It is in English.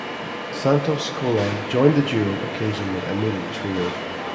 Santos Colon joined the duo occasionally and made it a trio.